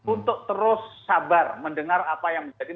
untuk terus sabar mendengar apa yang menjadi